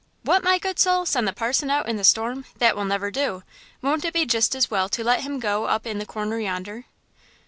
"What, my good soul, send the parson out in the storm? That will never do! Won't it be just as well to let him go up in the corner yonder?"